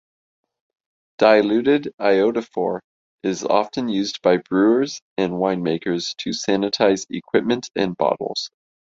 Diluted iodophor is often used by brewers and winemakers to sanitize equipment and bottles.